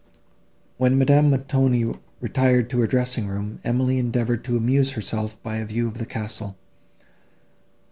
When Madame Montoni retired to her dressing room, Emily endeavoured to amuse herself by a view of the castle.